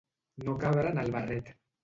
No cabre en el barret.